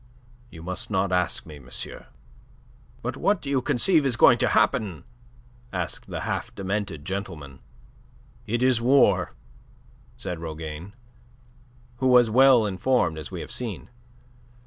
You must not ask me, monsieur." "But what do you conceive is going to happen?" asked the half demented gentleman. "It is war," said Rougane, who was well informed, as we have seen.